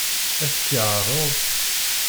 Ad k-tt-yeɛṛeḍ?